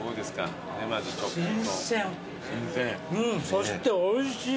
そしておいしい！